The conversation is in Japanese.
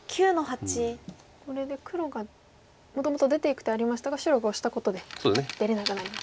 これで黒がもともと出ていく手ありましたが白がオシたことで出れなくなりましたね。